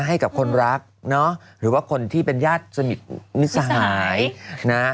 ให้กับคนรักเนาะหรือว่าคนที่เป็นญาติสนิทมิสหายนะ